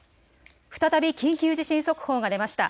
再び緊急地震速報が出ました。